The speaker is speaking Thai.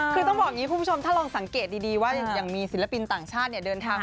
คุณผู้ชมนับกากเอาละกันนับมิถานจริงนะ